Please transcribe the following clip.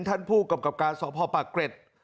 ท่านผู้กรรมกราบการสอบห่อปากเกร็ด